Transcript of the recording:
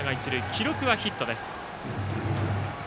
記録はヒットです。